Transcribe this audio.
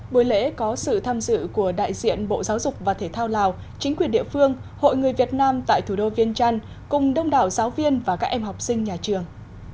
buổi lễ có sự tham dự của đại diện bộ giáo dục và thể thao lào chính quyền địa phương hội người việt nam tại thủ đô viên trăn cùng đông đảo giáo viên và các em học sinh nhà trường